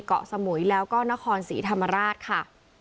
เกาะสมุยแล้วก็นครศรีธรรมราชค่ะ